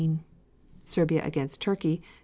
Serbia against Turkey, Dec.